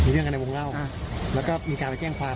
เรื่องที่เขาเก็นเอาไว้ไหนครับ